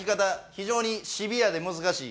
非常にシビアで難しい。